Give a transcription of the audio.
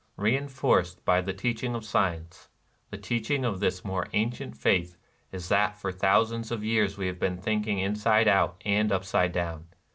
Eeinforced by the teaching of science, the teaching of this 266 NIRVANA more ancient faith is that for thousands of years we have been thinking inside out and upside down.